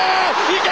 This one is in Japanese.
いけ！